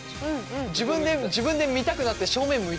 自分で見たくなって正面向いちゃってるから。